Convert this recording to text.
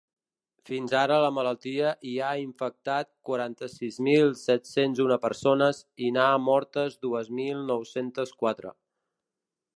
Fins ara la malaltia hi ha infectat quaranta-sis mil set-cents una persones i n’ha mortes dues mil nou-centes quatre.